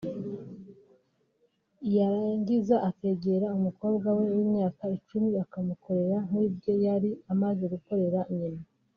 yarangiza akegera umukobwa we w’imyaka icumi akamukorera nk’ibyo yari amaze gukorera nyina